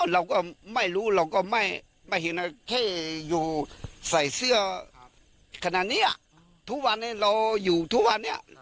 ทุกวันเนี่ยเราอยู่ทุกวันเนี่ย